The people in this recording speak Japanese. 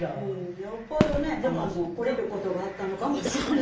よっぽどねパパも懲りる事があったのかもしれない。